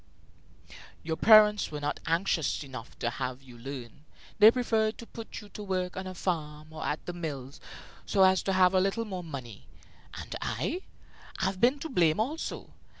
"Your parents were not anxious enough to have you learn. They preferred to put you to work on a farm or at the mills, so as to have a little more money. And I? I've been to blame also.